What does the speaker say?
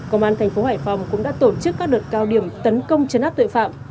công an thành phố hải phòng cũng đã tổ chức các đợt cao điểm tấn công chấn áp tội phạm